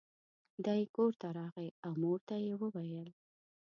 دی کور ته راغی او مور ته یې وویل.